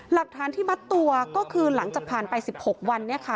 หลักฐานที่มัดตัวก็คือหลังจากผ่านไป๑๖วัน